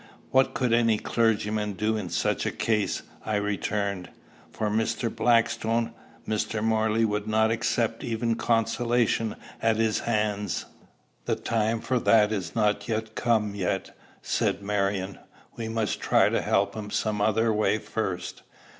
"What could any clergyman do in such a case?" I returned. "For Mr. Blackstone, Mr. Morley would not accept even consolation at his hands." "The time for that is not come yet," said Marion. "We must try to help him some other way first.